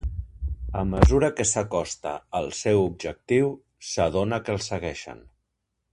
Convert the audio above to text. A mesura que s’acosta al seu objectiu, s’adona que el segueixen.